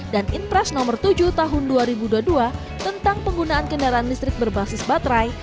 dan inpres no tujuh tahun dua ribu dua puluh dua tentang penggunaan kendaraan listrik berbasis baterai